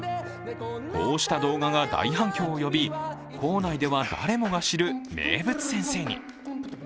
こうした動画が大反響を呼び校内では誰もが知る名物先生に。